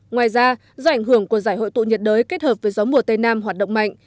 ngoài ra do ảnh hưởng của giải hội tụ nhiệt đới kết hợp với gió mùa tây nam hoạt động mạnh